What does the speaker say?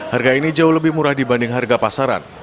harga ini jauh lebih murah dibanding harga pasaran